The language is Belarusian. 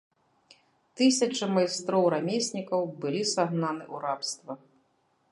Тысячы майстроў-рамеснікаў былі сагнаны ў рабства.